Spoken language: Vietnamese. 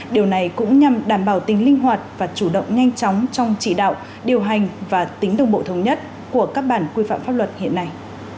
điều này cũng nhằm đảm bảo tính linh hoạt và chủ động nhanh chóng trong chỉ đạo điều hành và tính đồng bộ thống nhất của các bản quy phạm pháp luật hiện nay